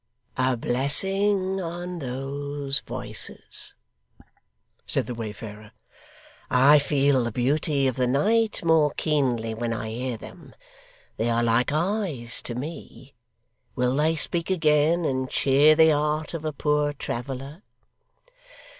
'A blessing on those voices!' said the wayfarer. 'I feel the beauty of the night more keenly, when I hear them. They are like eyes to me. Will they speak again, and cheer the heart of a poor traveller?